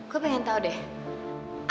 gue pengen tahu deh